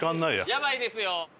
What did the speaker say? やばいですよ！